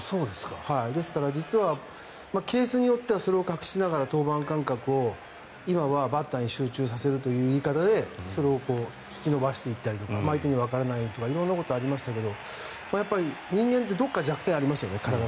ですから、実はケースによってはそれを隠しながら登板間隔を今はバッターに集中させるという言い方でそれを引き伸ばしていったりとか相手にわからないようにとか色んなことがありましたがやっぱり人間ってどこか弱点が体の中にありますよね。